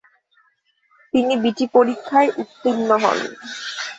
তিনি বিটি পরীক্ষায় উত্তীর্ণ হন।